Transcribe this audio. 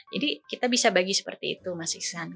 jadi kita bisa bagi seperti itu mas isan